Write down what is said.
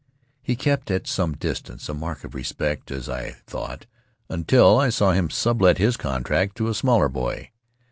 He kept at some distance, a mark of respect, as I thought, until I saw him sublet his contract to a smaller boy.